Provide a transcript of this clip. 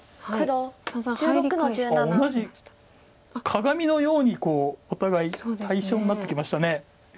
同じ鏡のようにお互い対称になってきました。